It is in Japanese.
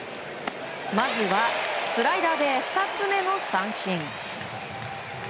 まずは、スライダーで２つ目の三振。